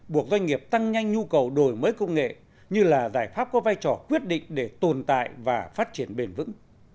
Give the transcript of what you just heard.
buộc doanh nghiệp tăng nhanh nhu cầu đổi mới công nghệ như là giải pháp có vai trò quyết định để tồn tại và phát triển bền vững